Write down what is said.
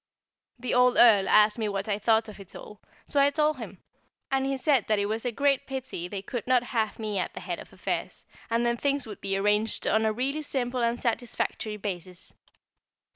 The old Earl asked me what I thought of it all, so I told him; and he said that it was a great pity they could not have me at the head of affairs, and then things would be arranged on a really simple and satisfactory basis.